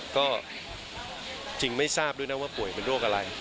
ก็จริงไม่ทราบด้วยนะว่าป่วยเป็นโรคอะไร